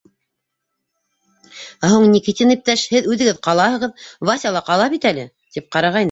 — Ә һуң, Никитин иптәш, һеҙ үҙегеҙ ҡалаһығыҙ, Вася ла ҡала бит әле, — тип ҡарағайны.